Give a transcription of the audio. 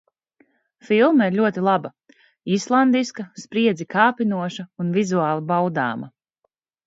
Filma ir ļoti laba. Islandiska, spriedzi kāpinoša un vizuāli baudāma.